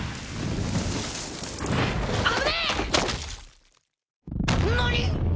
危ねえ！何！？